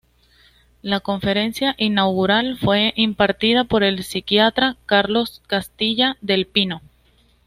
La conferencia inaugural fue impartida por el psiquiatra Carlos Castilla del Pino.